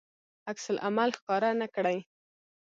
عکس العمل ښکاره نه کړي.